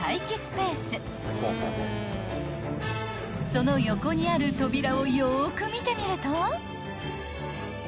［その横にある扉をよく見てみると］